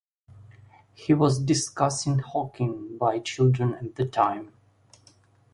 He was discussing hawking by children at the time.